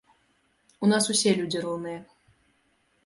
У нас усе людзі роўныя.